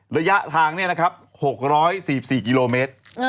ระยะทางเนี่ยนะครับ๖๔๔กิโลเมตร